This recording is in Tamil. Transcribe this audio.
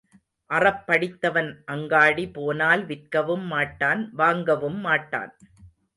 அறப்படித்தவன் அங்காடி போனால் விற்கவும் மாட்டான் வாங்கவும் மாட்டான்.